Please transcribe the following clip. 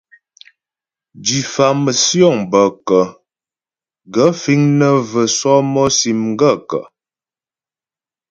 Diffámásyoŋ bə kə́ ? Gaə̂ fíŋ nə́ və̂ sɔ́mɔ́sì m gaə̂kə́ ?